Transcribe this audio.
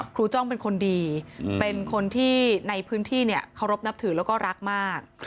จ้องเป็นคนดีเป็นคนที่ในพื้นที่เคารพนับถือแล้วก็รักมาก